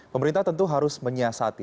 pemerintah tentu harus menyiasati